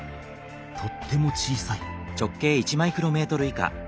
とっても小さい。